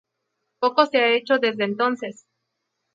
Poco se ha hecho desde entonces.